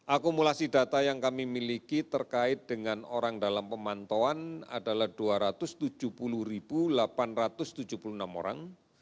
akumulasi data yang kami miliki terkait dengan orang dalam pemantauan adalah dua ratus tujuh puluh delapan ratus tujuh puluh enam orang